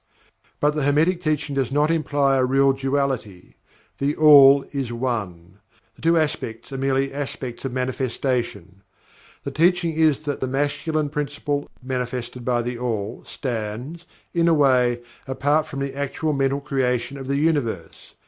But, the Hermetic teaching does not imply a real duality THE ALL is ONE the Two Aspects are merely aspects of manifestation. The teaching is that The Masculine Principle manifested by THE ALL stands, in a way, apart from the actual mental creation of the Universe.